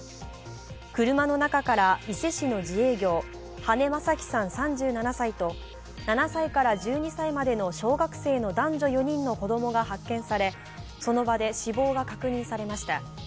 車の中から伊勢市の自営業、羽根正樹さん３７歳と７歳から１２歳までの小学生の男女４人の子供が発見されその場で死亡が確認されました。